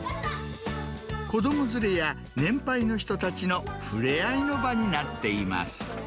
子ども連れや年配の人たちの触れ合いの場になっています。